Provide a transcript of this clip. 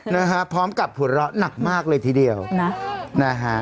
นะฮะพร้อมกับหัวเราะหนักมากเลยทีเดียวนะนะฮะ